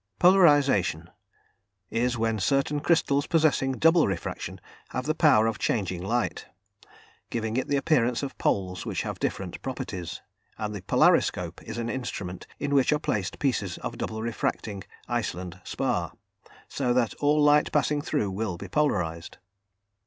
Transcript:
Polarisation is when certain crystals possessing double refraction have the power of changing light, giving it the appearance of poles which have different properties, and the polariscope is an instrument in which are placed pieces of double refracting (Iceland) spar, so that all light passing through will be polarised.